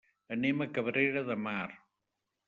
Anem a Cabrera de Mar.